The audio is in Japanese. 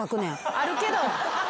あるけど。